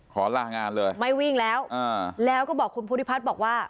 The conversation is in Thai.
ขอลางานเลยไม่วิ่งแล้วแล้วก็บอกคุณภูริพัฒน์บอกว่า